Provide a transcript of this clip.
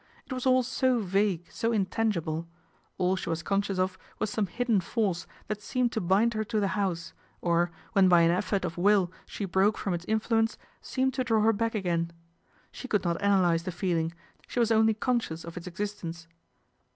It was all so vague, so intangible. All she was conscious of was some hidden force that seemed to bind her to the house, or, when by an effort of will she broke from its influence, seemed to draw her back again. She could not analyse the feeling, she was only conscious of its existence.